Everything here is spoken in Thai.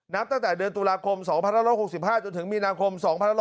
ตั้งแต่เดือนตุลาคม๒๑๖๕จนถึงมีนาคม๒๕๖๒